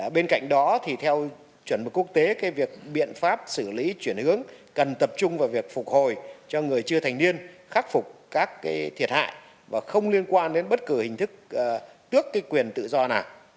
bên cạnh đó thì theo chuẩn mực quốc tế việc biện pháp xử lý chuyển hướng cần tập trung vào việc phục hồi cho người chưa thành niên khắc phục các thiệt hại và không liên quan đến bất cứ hình thức tước quyền tự do nào